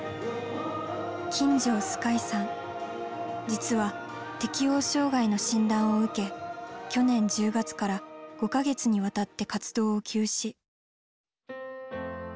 実は適応障害の診断を受け去年１０月から５か月にわたって活動を休止。